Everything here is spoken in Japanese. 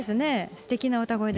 すてきな歌声で。